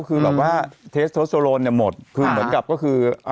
คือเทสโทสโลนหมดเหมือนกับก็คือ